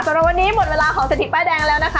สำหรับวันนี้หมดเวลาของเศรษฐีป้ายแดง